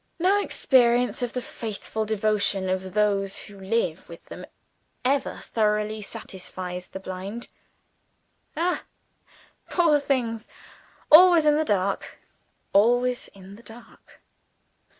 No experience of the faithful devotion of those who live with them ever thoroughly satisfies the blind. Ah, poor things, always in the dark! always in the dark!